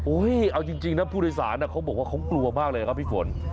โอ๊ยเอาจริงน้ำผู้โดยสารเขากลัวมากเลยค่ะพี่ฝน